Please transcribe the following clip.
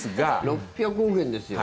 ６００億円ですよ。